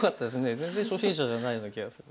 全然初心者じゃないような気がする。